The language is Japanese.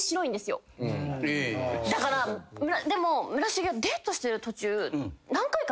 だからでも村重はデートしてる途中。